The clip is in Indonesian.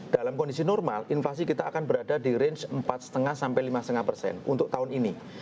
dalam kondisi normal inflasi kita akan berada di range empat lima sampai lima lima persen untuk tahun ini